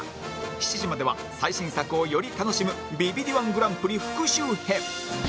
７時までは最新作をより楽しむビビリ −１ グランプリ復習編